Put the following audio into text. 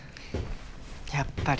やっぱり。